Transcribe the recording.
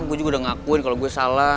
gue juga udah ngakuin kalau gue salah